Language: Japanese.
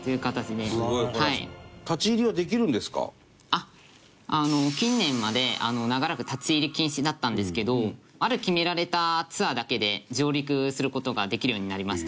あの近年まで長らく立ち入り禁止だったんですけどある決められたツアーだけで上陸する事ができるようになりました。